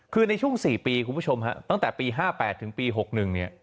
คือในช่วง๔ปีคุณผู้ชมฮะตั้งแต่ปี๕๘ถึงปี๖๑เนี่ย